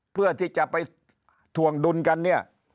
เพื่อที่จะไปถ่วงดุลกันเนี่ย